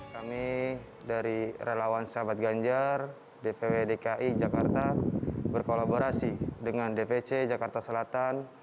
kami dari relawan sahabat ganjar dpw dki jakarta berkolaborasi dengan dpc jakarta selatan